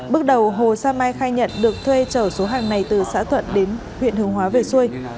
bước đầu hồ sa mai khai nhận được thuê chở số hàng này từ xã thuận đến huyện hương hóa về xuôi